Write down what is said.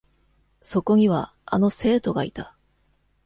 そこには、あの生徒がいた。